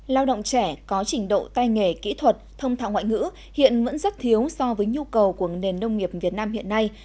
lao động trẻ có trình độ tay nghề kỹ thuật thông thạo ngoại ngữ hiện vẫn rất thiếu so với nhu cầu của nền nông nghiệp việt nam hiện nay